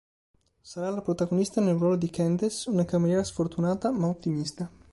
Sarà la protagonista nel ruolo di "Candace", una cameriera sfortunata ma ottimista.